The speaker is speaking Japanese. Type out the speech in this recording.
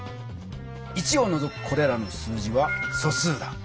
１をのぞくこれらの数字は「素数」だ。